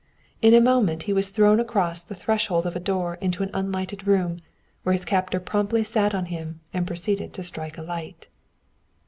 In a moment he was thrown across the threshold of a door into an unlighted room, where his captor promptly sat upon him and proceeded to strike a light.